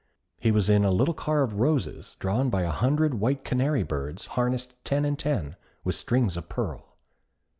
He was in a little car of roses, drawn by a hundred white canary birds, harnessed ten and ten, with strings of pearl.